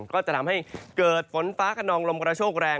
ก็จะทำให้เกิดฝนฟ้าขนองลมกระโชคแรง